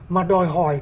mà đòi hỏi